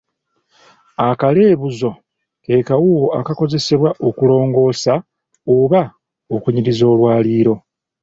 Akaleebuuzo ke kawuuwo akakozesebwa okulongoosa oba okunyiriza olwaliriro.